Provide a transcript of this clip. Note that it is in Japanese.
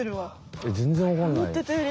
えっ全然わかんない。